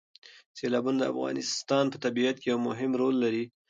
سیلابونه د افغانستان په طبیعت کې یو مهم رول لري.